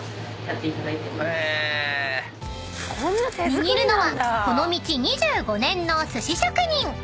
［握るのはこの道２５年の寿司職人］